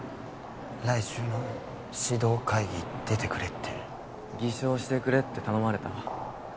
来週の指導会議出てくれって偽証してくれって頼まれた？